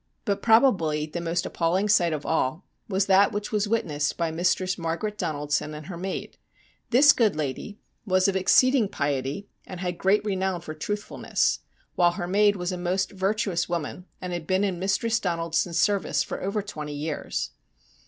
But probably the most appalling sight of all was that which was witnessed by Mistress Margaret Donaldson and her maid. This good lady was of exceeding piety, and had great renown THE STRANGE STORY OF MAJOR WEIR 9 for truthfulness ; while her maid was a most virtuous woman, and had been in Mistress Donaldson's service for over twenty years.